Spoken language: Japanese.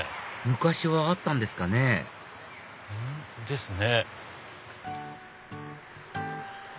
昔はあったんですかねですね。